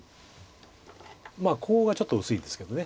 ここがちょっと薄いですけど。